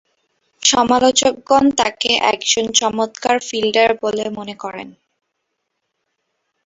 সমালোচকগণ তাকে একজন চমৎকার ফিল্ডার বলে মনে করেন।